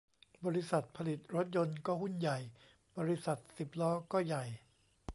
บริษัทผลิตรถยนต์ก็หุ้นใหญ่ บริษัทสิบล้อก็ใหญ่